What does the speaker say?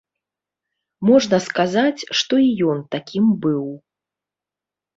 Можна сказаць, што і ён такім быў.